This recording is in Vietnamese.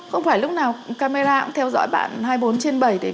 không phải lúc nào camera cũng theo dõi bạn hai mươi bốn trên bảy này